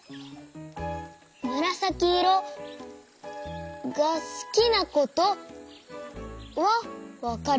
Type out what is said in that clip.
むらさきいろがすきなことはわかりました。